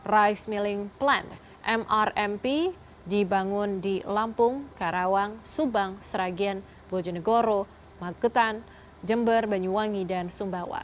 rice milling plan mrmp dibangun di lampung karawang subang sragen bojonegoro magetan jember banyuwangi dan sumbawa